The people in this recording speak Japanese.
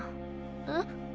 えっ？